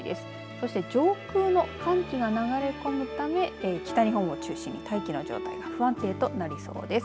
そして上空の寒気が流れ込むため北日本を中心に大気の状態が不安定となりそうです。